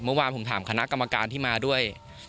เมื่อวานผมถามคณะกรรมการที่มาด้วย